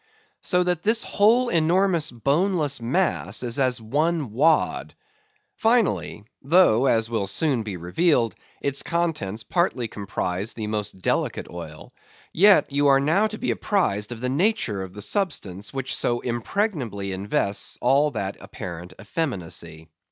So that this whole enormous boneless mass is as one wad. Finally, though, as will soon be revealed, its contents partly comprise the most delicate oil; yet, you are now to be apprised of the nature of the substance which so impregnably invests all that apparent effeminacy.